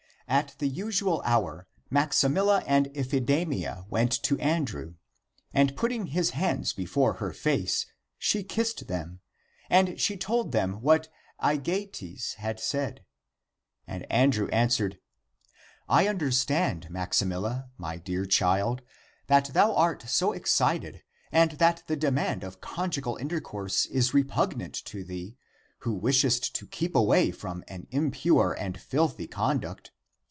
At the usual hour Maximilla and Iphidamia went to An drew. And putting his hands before her face, she kissed them, and she told him what Aegeates had said. And Andrew answered :" I understand, Maximilla, my dear child, that thou art so excited and that the demand of conjugal intercourse is re pugnant to thee, who wishest to keep away from an impure and filthy conduct.